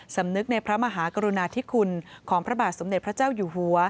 สำนึกในพระมหากรุณาธิคุณของพระบาทสมเด็จพระเจ้าอยู่หัว